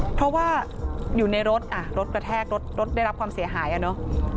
เพราะว่าอยู่ในรถอ่ะรถรถกระแทกรถรถได้รับความเสียหายอ่ะเนอะ